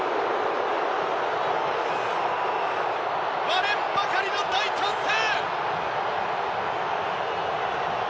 割れんばかりの大歓声！